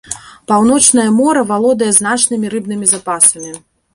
Паўночнае мора валодае значнымі рыбнымі запасамі.